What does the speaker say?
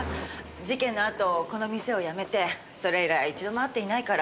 事件のあとこの店を辞めてそれ以来一度も会っていないから。